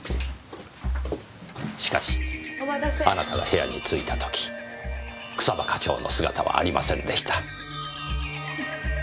しかしあなたが部屋に着いた時草葉課長の姿はありませんでした。